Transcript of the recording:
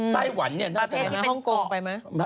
ไต้หวันน่าจะมาห้องกงไปไหม